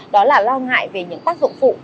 đó là lo ngại về những tác dụng phụ